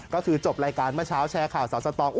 ก็คือจบรายการเมื่อเช้าแชร์ข่าวสาวสตอง